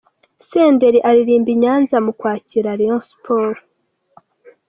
Senderi aririmba i Nyanza mu kwakira Rayons Sports.